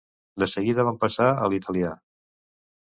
De seguida van passar a l'italià...